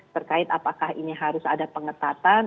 terkait apakah ini harus ada pengetatan